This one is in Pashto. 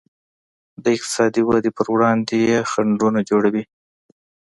د اقتصادي ودې پر وړاندې یې خنډونه جوړوي.